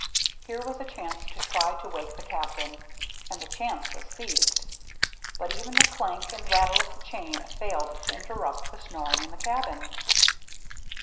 Here was a chance to try to wake the Captain, and the chance was seized; but even the clank and rattle of the chain failed to interrupt the snoring in the cabin.